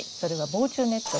防虫ネット。